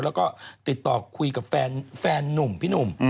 แล้วก็ติดต่อคุยกับแฟนนุ่มพี่หนุ่ม